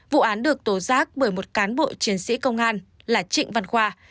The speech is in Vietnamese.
vụ án được tố giác bởi một cán bộ chiến sĩ công an là trịnh văn khoa